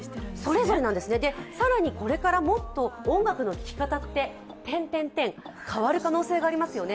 更にこれからもっと音楽の聴き方って変わる可能性がありますよね。